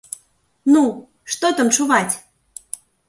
Ну, што там чуваць?